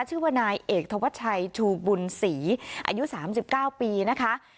ชื่อว่านายเอกธวัชชัยชูบุญศรีอายุ๓๙ปีนะคะ